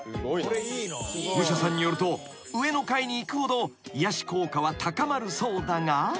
［武者さんによると上の階に行くほど癒やし効果は高まるそうだが］